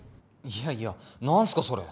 いやいや何すかそれ。